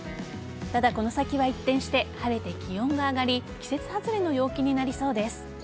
ただ、この先は一転して晴れて気温が上がり季節外れの陽気になりそうです。